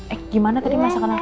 eh gimana tadi masakan aku enak gak